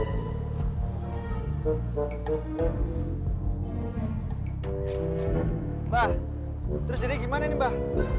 mbak terus jadi gimana nih mbah